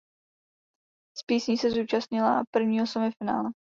S písní se zúčastnila prvního semifinále.